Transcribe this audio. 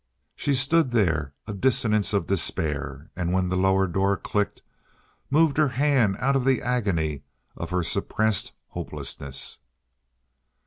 She stood there a dissonance of despair, and when the lower door clicked moved her hand out of the agony of her suppressed hopelessness.